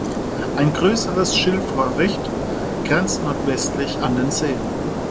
Ein größeres Schilfröhricht grenzt nordwestlich an den See.